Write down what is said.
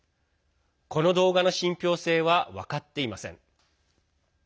この動画の信ぴょう性は分かっていません。